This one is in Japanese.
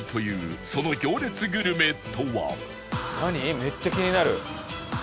めっちゃ気になる。